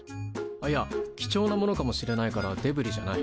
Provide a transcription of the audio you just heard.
いや貴重なものかもしれないからデブリじゃない。